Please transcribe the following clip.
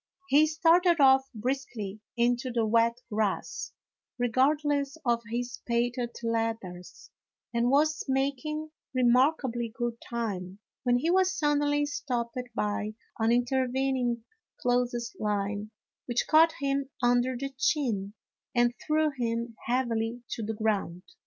He started off briskly into the wet grass, re gardless of his patent leathers, and was making remarkably good time when he was suddenly stopped by an intervening clothes line, which caught him under the chin and threw him heavily to the ground.